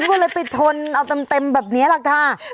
โอ้แล้วไปชนเอาเป็นเต็มแบบนี้ล่ะค่ะ